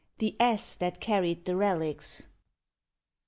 THE ASS THAT CARRIED THE RELICS.